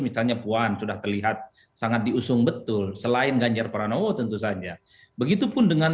misalnya puan sudah terlihat sangat diusung betul selain ganjar pranowo tentu saja begitupun dengan